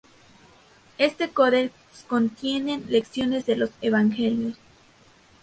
Este codex contienen lecciones de los evangelios.